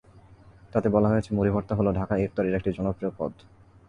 তাতে বলা হয়েছে, মুড়ি ভর্তা হলো ঢাকাইয়া ইফতারির একটি জনপ্রিয় পদ।